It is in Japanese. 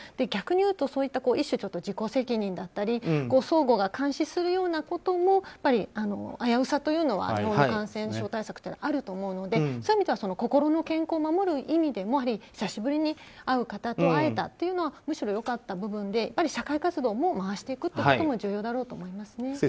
逆にいうと一種、自己責任だったり相互が監視するようなことも危うさというのは感染症対策ではあると思うのでそういう意味では心の健康を守る意味でも久しぶりに会う方と会えたというのはむしろ良かった部分で社会活動を回していくということも重要だろうと思いますね。